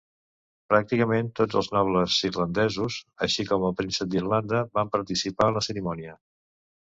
Pràcticament tots els nobles irlandesos, així com el príncep d'Irlanda, van participar en la cerimònia.